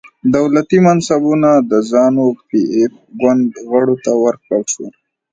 دولتي منصبونه د زانو پي ایف ګوند غړو ته ورکړل شول.